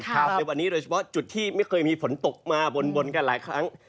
ในวันนี้โดยเฉพาะจุดที่ไม่เคยมีฝนตกมาบนกันหลายครั้ง